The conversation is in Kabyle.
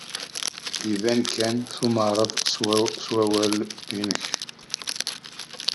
Iban kan tumared s warraw-nnek.